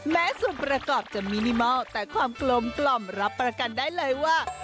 แม้ส่วนประกอบจะมินิมอลแต่ความกลมรับประกันได้เลยว่า